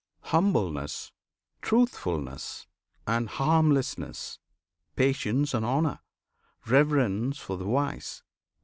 Humbleness, truthfulness, and harmlessness, Patience and honour, reverence for the wise.